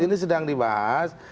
ini sedang dibahas